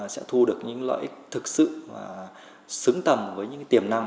sẽ thu được những lợi ích thực sự xứng tầm với những tiềm năng